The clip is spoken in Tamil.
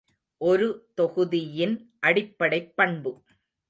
ஒரு தொகுதியின் அடிப்படைப் பண்பு.